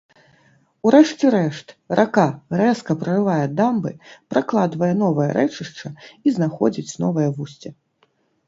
У рэшце рэшт рака рэзка прарывае дамбы, пракладвае новае рэчышча і знаходзіць новае вусце.